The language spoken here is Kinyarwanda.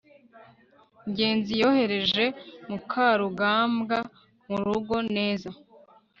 ngenzi yohereje mukarugambwa murugo. neza